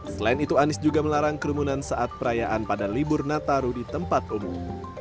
selain itu anies juga melarang kerumunan saat perayaan pada libur nataru di tempat umum